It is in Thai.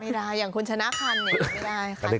ไม่ได้อย่างคนชนะคันเนี่ยไม่ได้